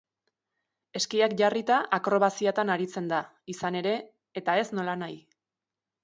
Eskiak jarrita akrobaziatan aritzen da, izan ere, eta ez nolanahi!